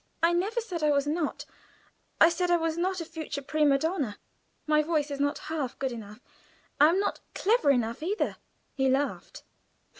"I never said I was not. I said I was not a future prima donna. My voice is not half good enough. I am not clever enough, either." He laughed.